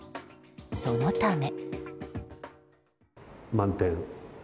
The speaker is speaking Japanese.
そのため。